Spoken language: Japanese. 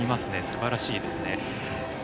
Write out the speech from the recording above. すばらしいですね。